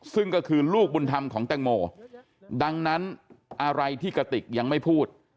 ซึ่งก็คือลูกบุญธรรมของแตงโมดังนั้นอะไรที่กระติกยังไม่พูด